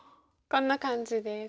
こんな感じです。